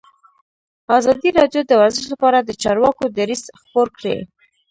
ازادي راډیو د ورزش لپاره د چارواکو دریځ خپور کړی.